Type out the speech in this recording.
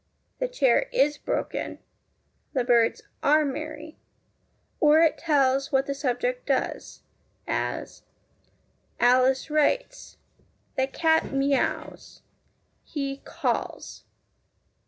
The chair is broken. The birds are merry ; or it tells what the subject does, as Alice writes. The cat mews. He calls.